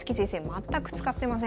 全く使ってません。